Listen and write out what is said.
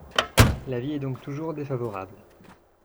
L’avis est donc toujours défavorable.